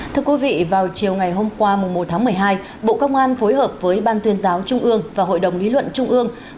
thưa quý vị vào chiều ngày hôm qua một tháng một mươi hai bộ công an phối hợp với ban tuyên giáo trung ương và hội đồng lý luận trung ương